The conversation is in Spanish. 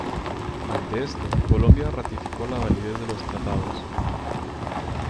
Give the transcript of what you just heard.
Ante esto, Colombia ratificó la validez de los tratados.